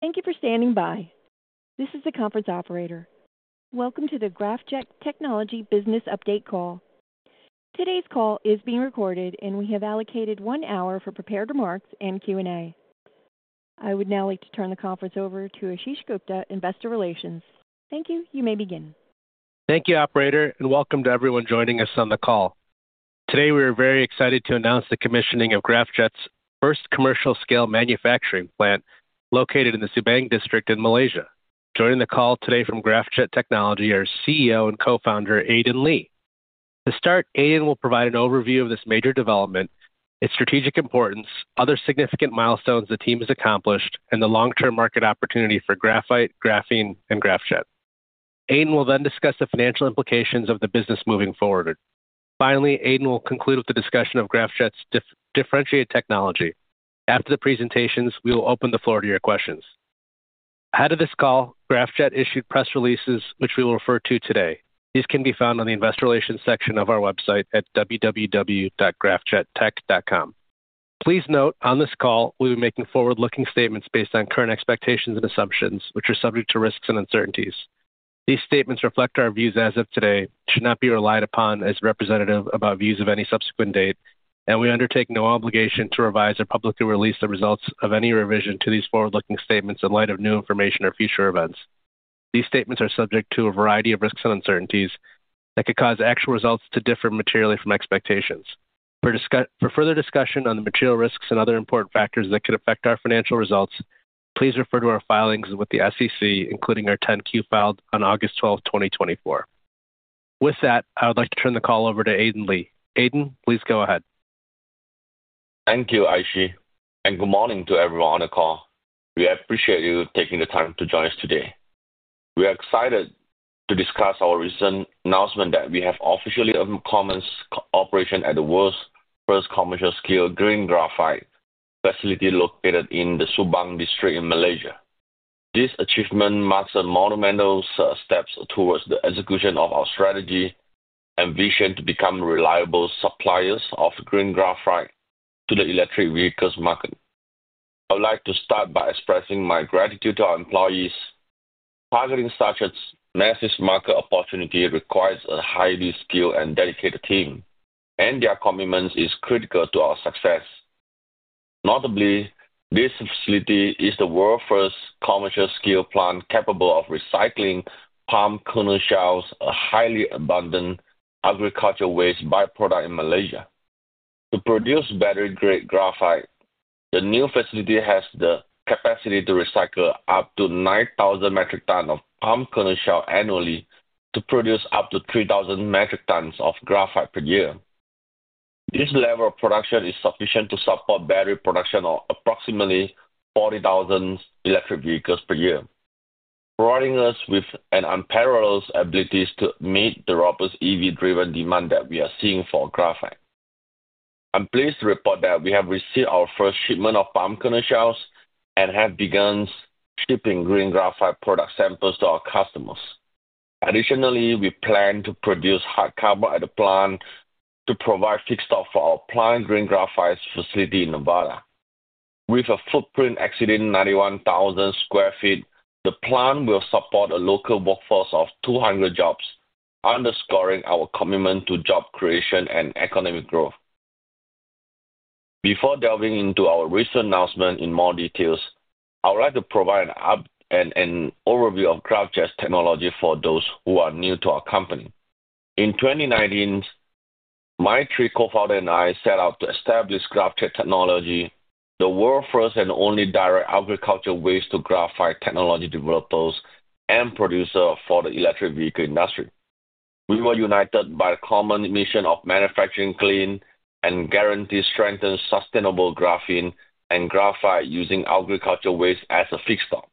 Thank you for standing by. This is the conference operator. Welcome to the Graphjet Technology Business Update call. Today's call is being recorded, and we have allocated one hour for prepared remarks and Q&A. I would now like to turn the conference over to Ashish Gupta, Investor Relations. Thank you. You may begin. Thank you, Operator, and welcome to everyone joining us on the call. Today, we are very excited to announce the commissioning of Graphjet's first commercial-scale manufacturing plant located in the Subang District in Malaysia. Joining the call today from Graphjet Technology are CEO and co-founder Aiden Lee. To start, Aiden will provide an overview of this major development, its strategic importance, other significant milestones the team has accomplished, and the long-term market opportunity for graphite, graphene, and Graphjet. Aiden will then discuss the financial implications of the business moving forward. Finally, Aiden will conclude with a discussion of Graphjet's differentiated technology. After the presentations, we will open the floor to your questions. Ahead of this call, Graphjet issued press releases, which we will refer to today. These can be found on the Investor Relations section of our website at www.graphjettech.com. Please note, on this call, we will be making forward-looking statements based on current expectations and assumptions, which are subject to risks and uncertainties. These statements reflect our views as of today, should not be relied upon as representative about views of any subsequent date, and we undertake no obligation to revise or publicly release the results of any revision to these forward-looking statements in light of new information or future events. These statements are subject to a variety of risks and uncertainties that could cause actual results to differ materially from expectations. For further discussion on the material risks and other important factors that could affect our financial results, please refer to our filings with the SEC, including our 10-Q filed on August 12, 2024. With that, I would like to turn the call over to Aiden Lee. Aiden, please go ahead. Thank you, Ashish, and good morning to everyone on the call. We appreciate you taking the time to join us today. We are excited to discuss our recent announcement that we have officially opened commercial operation at the world's first commercial-scale green graphite facility located in the Subang District in Malaysia. This achievement marks a monumental step towards the execution of our strategy and vision to become reliable suppliers of green graphite to the electric vehicles market. I would like to start by expressing my gratitude to our employees. Targeting such a massive market opportunity requires a highly skilled and dedicated team, and their commitment is critical to our success. Notably, this facility is the world's first commercial-scale plant capable of recycling palm kernel shells, a highly abundant agricultural waste byproduct in Malaysia. To produce battery-grade graphite, the new facility has the capacity to recycle up to 9,000 metric tons of palm kernel shell annually to produce up to 3,000 metric tons of graphite per year. This level of production is sufficient to support battery production of approximately 40,000 electric vehicles per year, providing us with unparalleled abilities to meet the robust EV-driven demand that we are seeing for graphite. I'm pleased to report that we have received our first shipment of palm kernel shells and have begun shipping green graphite product samples to our customers. Additionally, we plan to produce hard carbon at the plant to provide feedstock for our planned green graphite facility in Nevada. With a footprint exceeding 91,000 sq ft, the plant will support a local workforce of 200 jobs, underscoring our commitment to job creation and economic growth. Before delving into our recent announcement in more detail, I would like to provide an overview of Graphjet Technology for those who are new to our company. In 2019, my three co-founders and I set out to establish Graphjet Technology, the world's first and only direct agricultural waste-to-graphite technology developer and producer for the electric vehicle industry. We were united by the common mission of manufacturing clean and guaranteed-strengthened sustainable graphene and graphite using agricultural waste as a feedstock.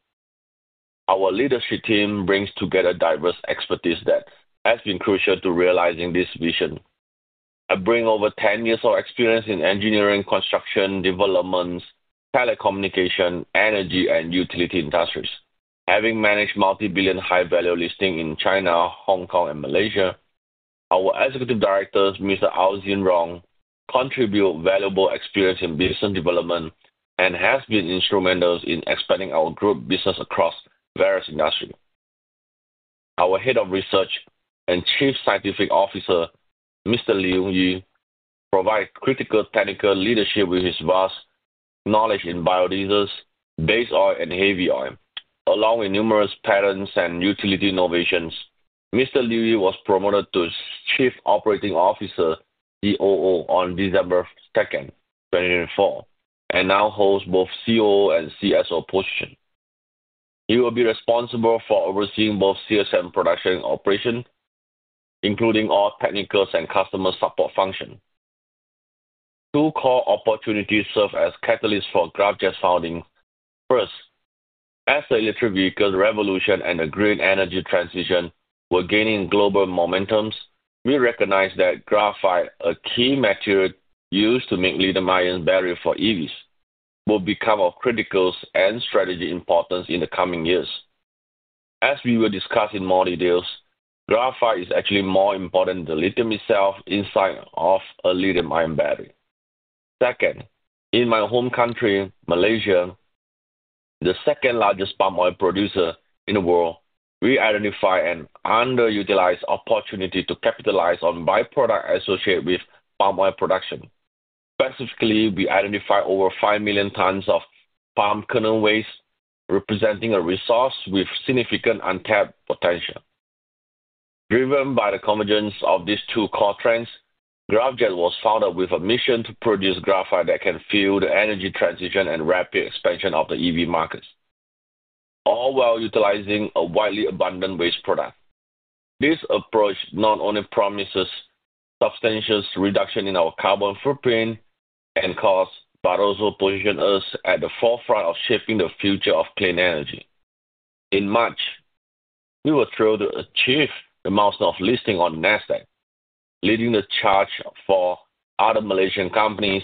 Our leadership team brings together diverse expertise that has been crucial to realizing this vision. I bring over 10 years of experience in engineering, construction, development, telecommunication, energy, and utility industries. Having managed multi-billion high-value listings in China, Hong Kong, and Malaysia, our executive director, Mr. Aw Jeen Rong, contributed valuable experience in business development and has been instrumental in expanding our group business across various industries. Our Head of Research and Chief Scientific Officer, Mr. Liu Yu, provided critical technical leadership with his vast knowledge in biodiesels, base oil, and heavy oil, along with numerous patents and utility innovations. Mr. Liu Yu was promoted to Chief Operating Officer (COO) on December 2, 2024, and now holds both COO and CSO positions. He will be responsible for overseeing both CSM production and operation, including all technical and customer support functions. Two core opportunities serve as catalysts for Graphjet's founding. First, as the electric vehicle revolution and the green energy transition were gaining global momentum, we recognize that graphite, a key material used to make lithium-ion batteries for EVs, will become of critical and strategic importance in the coming years. As we will discuss in more detail, graphite is actually more important than lithium itself inside of a lithium-ion battery. Second, in my home country, Malaysia, the second-largest palm oil producer in the world, we identify an underutilized opportunity to capitalize on byproducts associated with palm oil production. Specifically, we identify over five million tons of palm kernel waste, representing a resource with significant untapped potential. Driven by the convergence of these two core trends, Graphjet was founded with a mission to produce graphite that can fuel the energy transition and rapid expansion of the EV markets, all while utilizing a widely abundant waste product. This approach not only promises substantial reduction in our carbon footprint and cost but also positions us at the forefront of shaping the future of clean energy. In March, we were thrilled to achieve the milestone of listing on NASDAQ, leading the charge for other Malaysian companies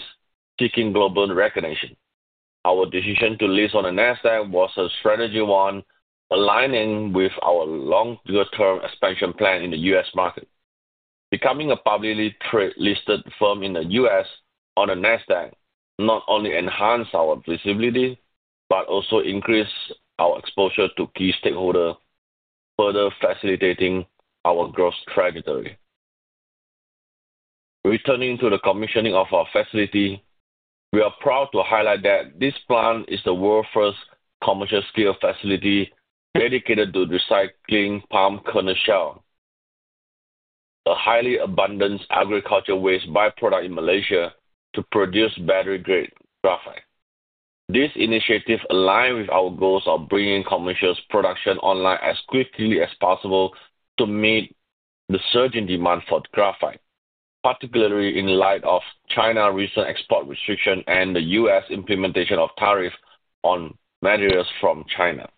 seeking global recognition. Our decision to list on the NASDAQ was a strategic one, aligning with our long-term expansion plan in the U.S. market. Becoming a publicly listed firm in the U.S. on the NASDAQ not only enhanced our visibility but also increased our exposure to key stakeholders, further facilitating our growth trajectory. Returning to the commissioning of our facility, we are proud to highlight that this plant is the world's first commercial-scale facility dedicated to recycling palm kernel shells, a highly abundant agricultural waste byproduct in Malaysia, to produce battery-grade graphite. This initiative aligns with our goals of bringing commercial production online as quickly as possible to meet the surging demand for graphite, particularly in light of China's recent export restrictions and the U.S. implementation of tariffs on materials from China.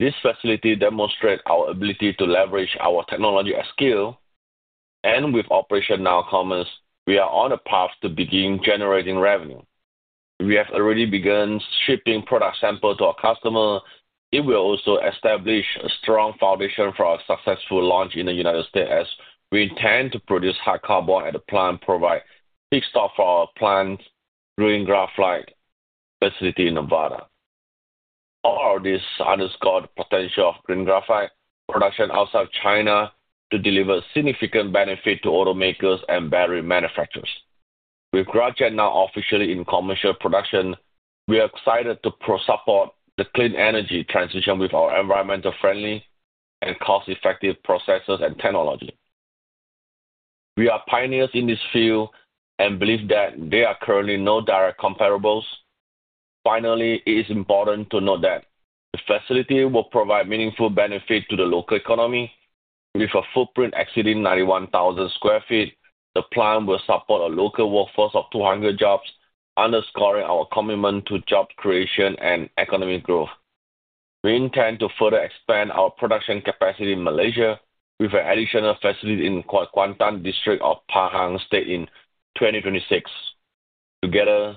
This facility demonstrates our ability to leverage our technology at scale, and with Graphjet now commercial, we are on a path to begin generating revenue. We have already begun shipping product samples to our customers. It will also establish a strong foundation for our successful launch in the United States, as we intend to produce hard carbon at the plant and provide feedstock for our planned green graphite facility in Nevada. All of this underscores the potential of green graphite production outside of China to deliver significant benefits to automakers and battery manufacturers. With Graphjet now officially in commercial production, we are excited to support the clean energy transition with our environmentally friendly and cost-effective processes and technology. We are pioneers in this field and believe that there are currently no direct comparables. Finally, it is important to note that the facility will provide meaningful benefits to the local economy. With a footprint exceeding 91,000 sq ft, the plant will support a local workforce of 200 jobs, underscoring our commitment to job creation and economic growth. We intend to further expand our production capacity in Malaysia with an additional facility in Kuantan District of Pahang State in 2026. Together,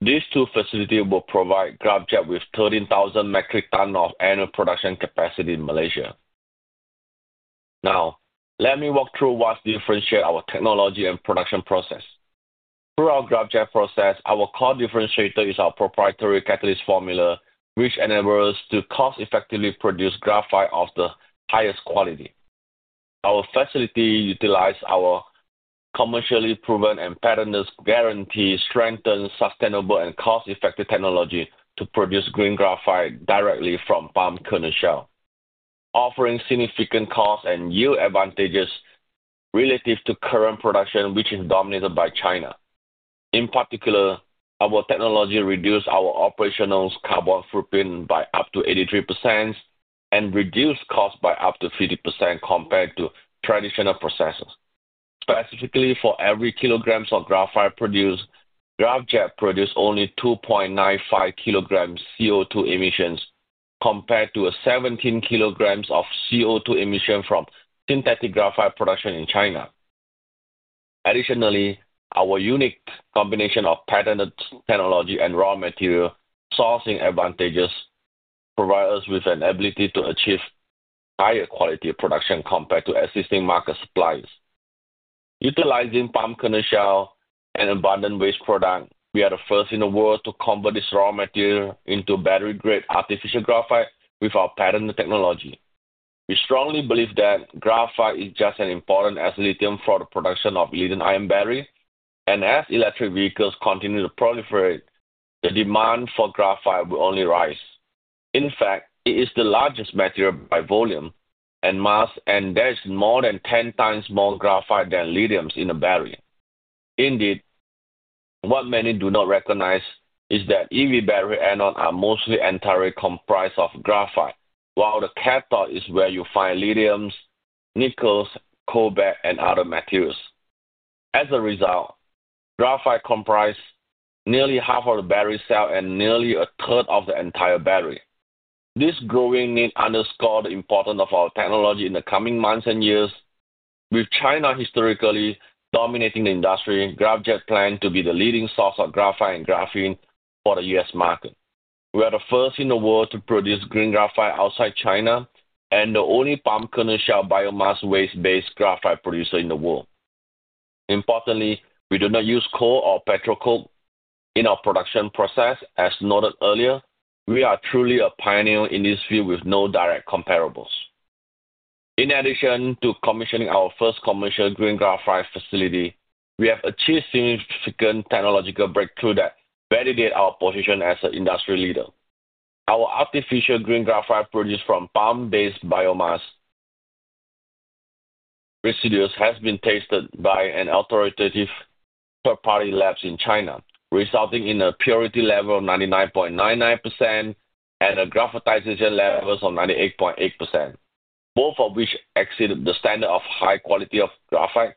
these two facilities will provide Graphjet with 13,000 metric tons of annual production capacity in Malaysia. Now, let me walk through what differentiates our technology and production process. Throughout the Graphjet process, our core differentiator is our proprietary catalyst formula, which enables us to cost-effectively produce graphite of the highest quality. Our facility utilizes our commercially proven and patented guaranteed-strengthened sustainable and cost-effective technology to produce green graphite directly from palm kernel shells, offering significant cost and yield advantages relative to current production, which is dominated by China. In particular, our technology reduces our operational carbon footprint by up to 83% and reduces costs by up to 50% compared to traditional processes. Specifically, for every kilogram of graphite produced, Graphjet produces only 2.95 kilograms of CO2 emissions compared to 17 kilograms of CO2 emissions from synthetic graphite production in China. Additionally, our unique combination of patented technology and raw material sourcing advantages provides us with an ability to achieve higher quality production compared to existing market suppliers. Utilizing palm kernel shells and abundant waste products, we are the first in the world to convert this raw material into battery-grade artificial graphite with our patented technology. We strongly believe that graphite is just as important as lithium for the production of lithium-ion batteries, and as electric vehicles continue to proliferate, the demand for graphite will only rise. In fact, it is the largest material by volume and mass, and there is more than 10 times more graphite than lithium in a battery. Indeed, what many do not recognize is that EV battery anodes are mostly entirely comprised of graphite, while the cathode is where you find lithium, nickel, cobalt, and other materials. As a result, graphite comprises nearly half of the battery cell and nearly a third of the entire battery. This growing need underscores the importance of our technology in the coming months and years. With China historically dominating the industry, Graphjet plans to be the leading source of graphite and graphene for the U.S. market. We are the first in the world to produce green graphite outside China and the only palm kernel shell biomass waste-based graphite producer in the world. Importantly, we do not use coal or petrochemicals in our production process. As noted earlier, we are truly a pioneer in this field with no direct comparables. In addition to commissioning our first commercial green graphite facility, we have achieved significant technological breakthroughs that validate our position as an industry leader. Our artificial green graphite produced from palm-based biomass residues has been tested by an authoritative third-party lab in China, resulting in a purity level of 99.99% and graphitization levels of 98.8%, both of which exceed the standard of high quality of graphite.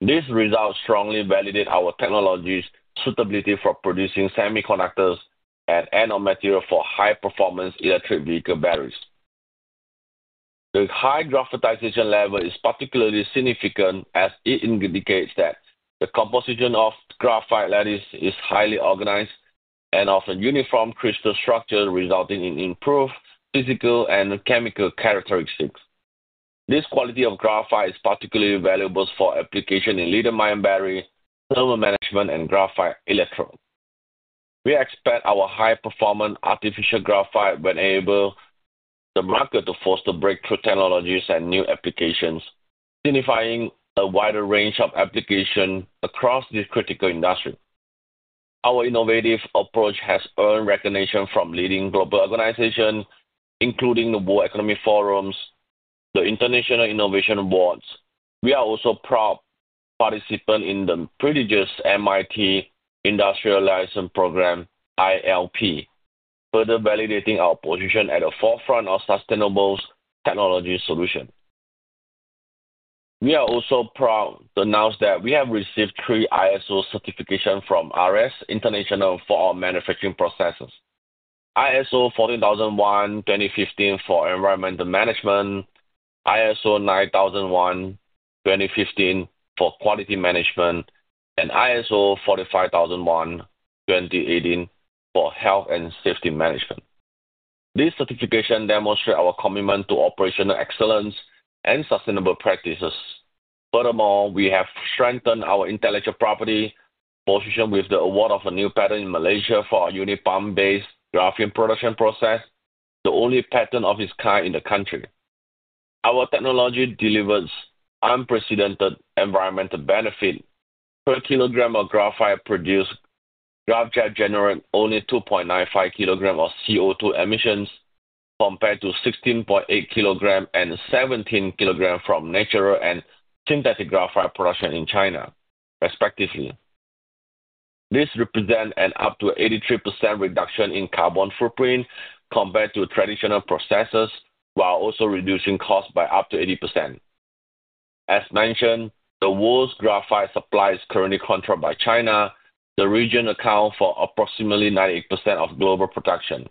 This result strongly validates our technology's suitability for producing semiconductors and anode materials for high-performance electric vehicle batteries. The high graphitization level is particularly significant as it indicates that the composition of graphite lattice is highly organized and of a uniform crystal structure, resulting in improved physical and chemical characteristics. This quality of graphite is particularly valuable for applications in lithium-ion batteries, thermal management, and graphite electrodes. We expect our high-performance artificial graphite will enable the market to foster breakthrough technologies and new applications, signifying a wider range of applications across this critical industry. Our innovative approach has earned recognition from leading global organizations, including the World Economic Forum and the International Innovation Awards. We are also proud participants in the prestigious MIT Industrial Liaison Program (ILP), further validating our position at the forefront of sustainable technology solutions. We are also proud to announce that we have received three ISO certifications from ARES International for our manufacturing processes: ISO 14001:2015 for Environmental Management, ISO 9001:2015 for Quality Management, and ISO 45001:2018 for Health and Safety Management. These certifications demonstrate our commitment to operational excellence and sustainable practices. Furthermore, we have strengthened our intellectual property position with the award of a new patent in Malaysia for our unique palm-based graphene production process, the only patent of its kind in the country. Our technology delivers unprecedented environmental benefits. Per kilogram of graphite produced, Graphjet generates only 2.95 kilograms of CO2 emissions compared to 16.8 kilograms and 17 kilograms from natural and synthetic graphite production in China, respectively. This represents an up to 83% reduction in carbon footprint compared to traditional processes, while also reducing costs by up to 80%. As mentioned, the world's graphite supply is currently controlled by China. The region accounts for approximately 98% of global production,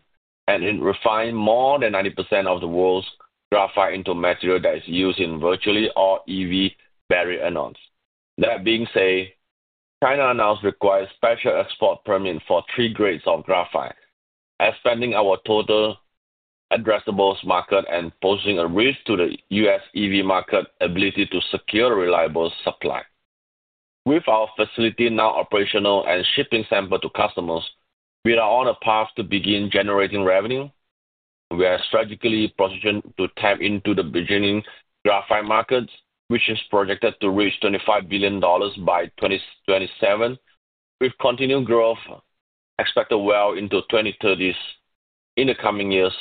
and it refines more than 90% of the world's graphite into a material that is used in virtually all EV battery anodes. That being said, China announced requires special export permits for three grades of graphite, expanding our total addressable market and posing a risk to the U.S. EV market's ability to secure reliable supply. With our facility now operational and shipping samples to customers, we are on a path to begin generating revenue. We are strategically positioned to tap into the beginning graphite market, which is projected to reach $25 billion by 2027. With continued growth expected well into the 2030s in the coming years,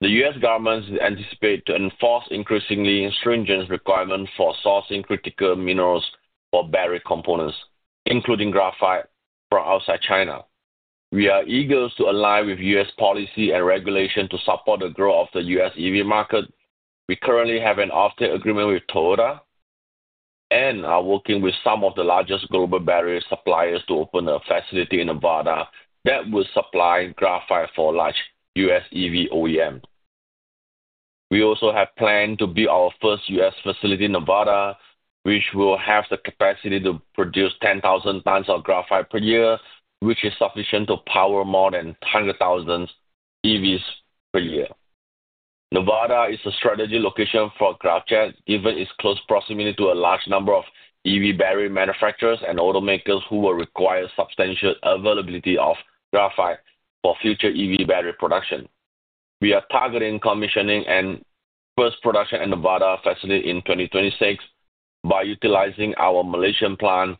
the U.S. government anticipates to enforce increasingly stringent requirements for sourcing critical minerals for battery components, including graphite, from outside China. We are eager to align with U.S. policy and regulations to support the growth of the U.S. EV market. We currently have an off-take agreement with Toyoda and are working with some of the largest global battery suppliers to open a facility in Nevada that will supply graphite for large U.S. EV OEMs. We also have plans to build our first U.S. facility in Nevada, which will have the capacity to produce 10,000 tons of graphite per year, which is sufficient to power more than 100,000 EVs per year. Nevada is a strategic location for Graphjet, given its close proximity to a large number of EV battery manufacturers and automakers who will require substantial availability of graphite for future EV battery production. We are targeting commissioning the first production at Nevada facility in 2026 by utilizing our Malaysian plant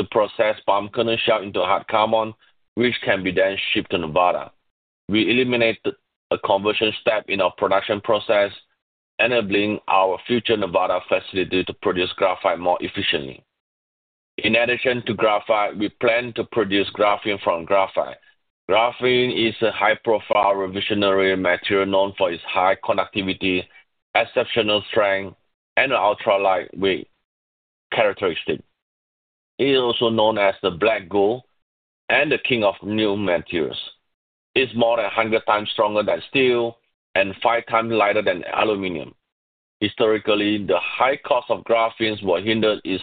to process palm kernel shells into hard carbon, which can be then shipped to Nevada. We eliminate a conversion step in our production process, enabling our future Nevada facility to produce graphite more efficiently. In addition to graphite, we plan to produce graphene from graphite. Graphene is a high-profile revolutionary material known for its high conductivity, exceptional strength, and ultra-lightweight characteristics. It is also known as the "Black Gold" and the "King of New Materials." It is more than 100 times stronger than steel and five times lighter than aluminum. Historically, the high cost of graphene was hindered by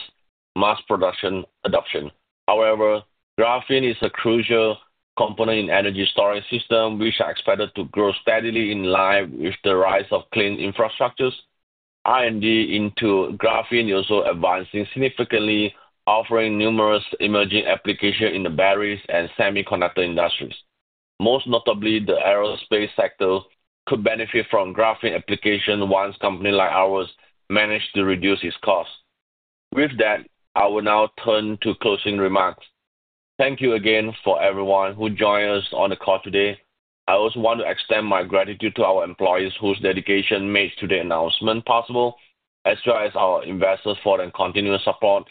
mass production adoption. However, graphene is a crucial component in energy storage systems, which are expected to grow steadily in line with the rise of clean infrastructures. R&D into graphene is also advancing significantly, offering numerous emerging applications in the battery and semiconductor industries. Most notably, the aerospace sector could benefit from graphene applications once companies like ours manage to reduce its costs. With that, I will now turn to closing remarks. Thank you again for everyone who joined us on the call today. I also want to extend my gratitude to our employees whose dedication made today's announcement possible, as well as our investors for their continued support.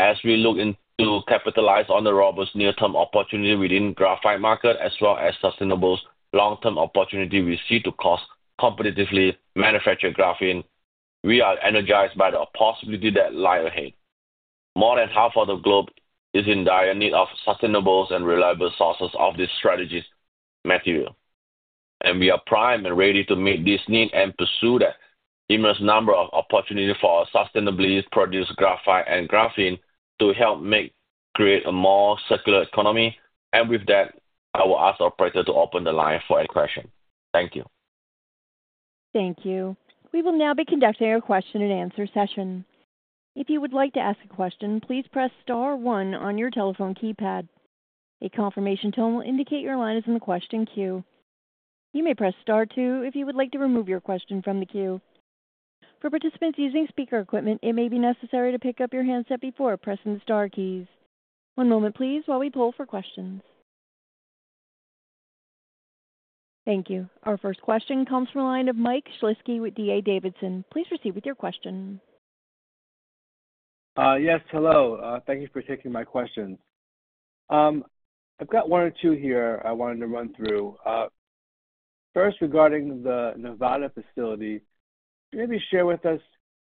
As we look to capitalize on the robust near-term opportunities within the graphite market, as well as the sustainable long-term opportunities we see to cost-competitively manufacture graphene, we are energized by the possibilities that lie ahead. More than half of the globe is in dire need of sustainable and reliable sources of this strategic material, and we are primed and ready to meet this need and pursue the immense number of opportunities for sustainably produced graphite and graphene to help create a more circular economy, and with that, I will ask the operator to open the line for a question. Thank you. Thank you. We will now be conducting a question-and-answer session. If you would like to ask a question, please press Star 1 on your telephone keypad. A confirmation tone will indicate your line is in the question queue. You may press Star 2 if you would like to remove your question from the queue. For participants using speaker equipment, it may be necessary to pick up your handset before pressing the Star keys. One moment, please, while we pull for questions. Thank you. Our first question comes from a line of Mike Shlisky with D.A. Davidson. Please proceed with your question. Yes. Hello. Thank you for taking my questions. I've got one or two here I wanted to run through. First, regarding the Nevada facility, could you maybe share with us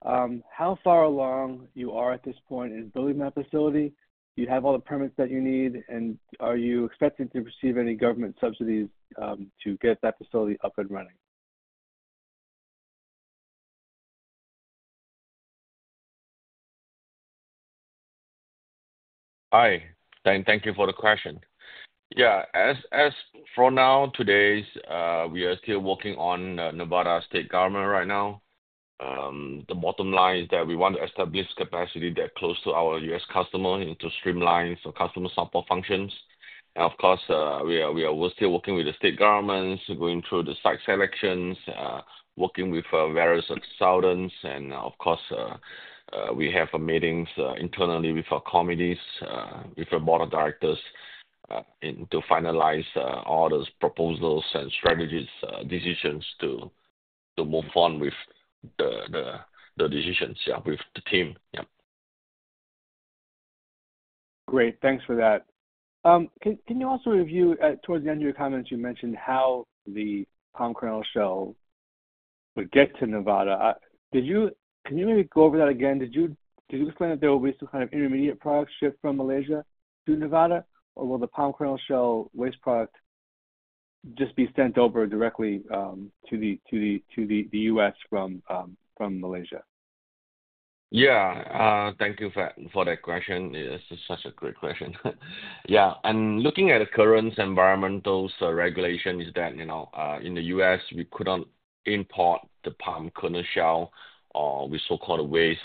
how far along you are at this point in building that facility? Do you have all the permits that you need, and are you expecting to receive any government subsidies to get that facility up and running? Hi. Thank you for the question. Yeah. As for now, today, we are still working on Nevada state government right now. The bottom line is that we want to establish capacity that's close to our U.S. customers and to streamline customer support functions. And of course, we're still working with the state governments, going through the site selections, working with various consultants. And of course, we have meetings internally with our committees, with our board of directors, to finalize all those proposals and strategies decisions to move on with the decisions with the team. Yep. Great. Thanks for that. Can you also review, towards the end of your comments, you mentioned how the palm kernel shell would get to Nevada? Can you maybe go over that again? Did you explain that there will be some kind of intermediate product shipped from Malaysia to Nevada, or will the palm kernel shell waste product just be sent over directly to the U.S. from Malaysia? Yeah. Thank you for that question. This is such a great question. Yeah. And looking at the current environmental regulations, is that in the U.S., we couldn't import the palm kernel shell or the so-called waste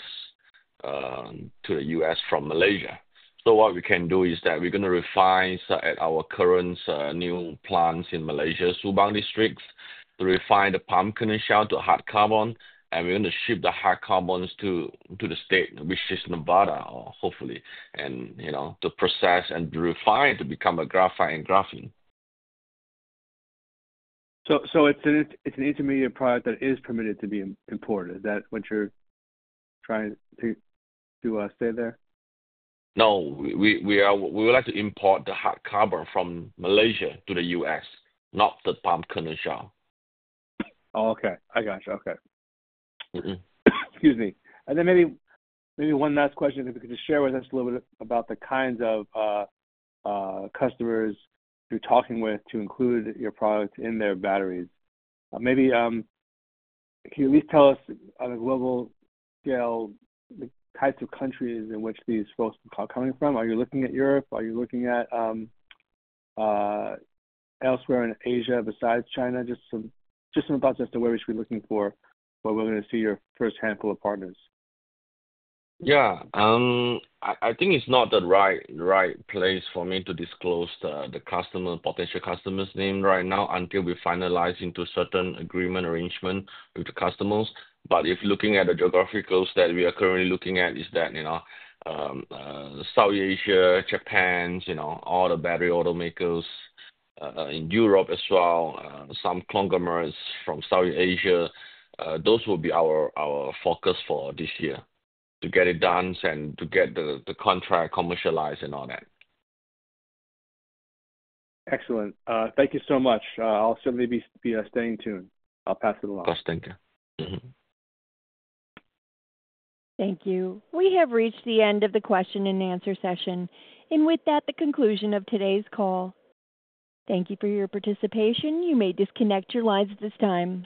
to the U.S. from Malaysia. So what we can do is that we're going to refine at our current new plants in Malaysia's Subang districts to refine the palm kernel shell to hard carbon, and we're going to ship the hard carbon to the state, which is Nevada, hopefully, and to process and refine to become graphite and graphene. So it's an intermediate product that is permitted to be imported. Is that what you're trying to say there? No. We would like to import the hard carbon from Malaysia to the U.S., not the palm kernel shell. Oh, okay. I gotcha. Okay. Excuse me. And then maybe one last question. If you could just share with us a little bit about the kinds of customers you're talking with to include your products in their batteries. Maybe can you at least tell us, on a global scale, the types of countries in which these folks are coming from? Are you looking at Europe? Are you looking at elsewhere in Asia besides China? Just some thoughts as to where we should be looking for when we're going to see your first handful of partners. Yeah. I think it's not the right place for me to disclose the potential customer's name right now until we finalize into a certain agreement arrangement with the customers. But if you're looking at the geographicals that we are currently looking at, it's that South Asia, Japan, all the battery automakers in Europe as well, some conglomerates from South Asia, those will be our focus for this year to get it done and to get the contract commercialized and all that. Excellent. Thank you so much. I'll certainly be staying tuned. I'll pass it along. Of course. Thank you. Thank you. We have reached the end of the question-and-answer session, and with that, the conclusion of today's call. Thank you for your participation. You may disconnect your lines at this time.